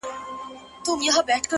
• شاعر او شاعره،